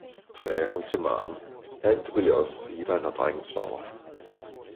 sagde hun til Maren, alt vil jeg også sige dig, når drengen sover!